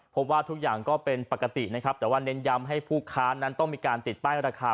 พบว่าทุกอย่างก็เป็นปกตินะครับแต่ว่าเน้นย้ำให้ผู้ค้านั้นต้องมีการติดป้ายราคา